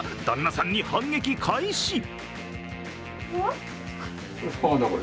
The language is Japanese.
旦那さんに反撃開始。